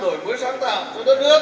đổi mới sáng tạo cho đất nước